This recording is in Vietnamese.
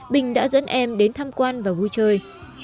bình đã dẫn em đến tham quan và vui chơi